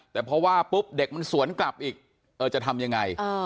แต่พอว่าปุ๊บเด็กมันสวนกลับอีกเออจะทำยังไง